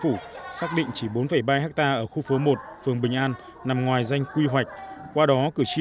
phủ xác định chỉ bốn ba ha ở khu phố một phường bình an nằm ngoài danh quy hoạch qua đó cử tri